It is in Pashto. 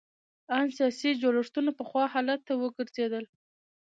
ان سیاسي جوړښتونه پخوا حالت ته وګرځېدل.